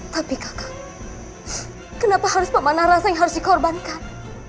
tapi kakak kenapa harus memanah rasa yang harus dikorbankan